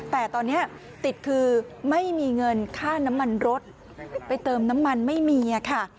แต่ตอนนี้ติดคือไม่มีเงินค่าน้ำมันรถไปเติมน้ำมันไม่มีค่ะ